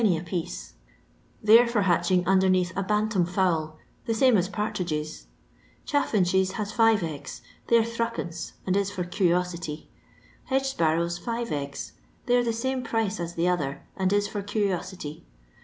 a piece ; they 're for hatching miMnicatk a bantam fowl, the same as partridgta. Chaf finches has five eggs; they're fkL, and b for cur'osity. Hedge sparrows, fira eggs; thej'rs the same price as the other, and Is for cni^enty.